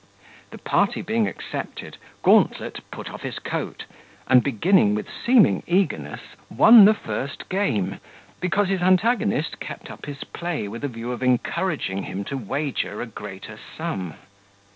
The party being accepted, Gauntlet put off his coat, and, beginning with seeming eagerness, won the first game, because his antagonist kept up his play with a view of encouraging him to wager a greater sum.